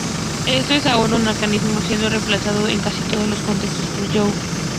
Esto es ahora un arcaísmo, siendo reemplazado en casi todos los contextos por "you".